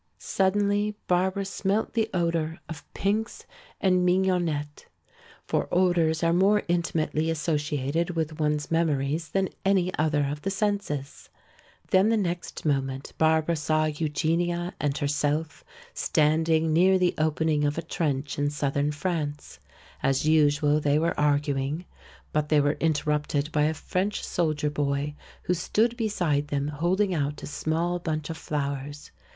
Suddenly Barbara smelt the odor of pinks and mignonette. For odors are more intimately associated with one's memories than any other of the senses. Then the next moment Barbara saw Eugenia and herself standing near the opening of a trench in southern France. As usual, they were arguing. But they were interrupted by a French soldier boy, who stood beside them holding out a small bunch of flowers.